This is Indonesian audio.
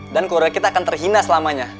dan keluarga kita akan terhina selamanya